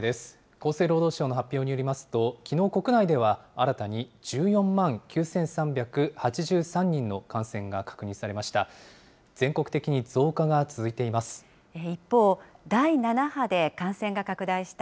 厚生労働省の発表によりますと、きのう国内では新たに１４万９３８３人の感染が確認されました。